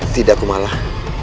tidak aku malah